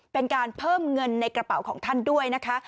เป็นการเพิ่มเงินในกระเป๋าของท่านด้วยนะคะ